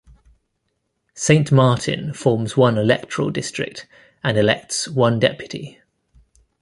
Saint Martin forms one electoral district, and elects one deputy.